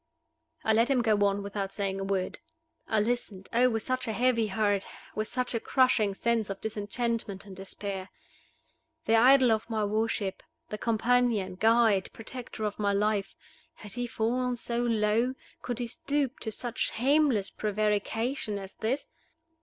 I let him go on without saying a word. I listened oh! with such a heavy heart, with such a crushing sense of disenchantment and despair! The idol of my worship, the companion, guide, protector of my life had he fallen so low? could he stoop to such shameless prevarication as this?